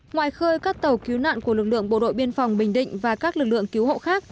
ngoài khơi các tàu cứu nạn của lực lượng bộ đội biên phòng bình định và các lực lượng cứu hộ khác